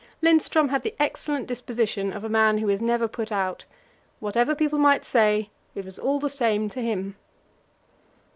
Lindström had the excellent disposition of a man who is never put out; whatever people might say, it was "all the same" to him.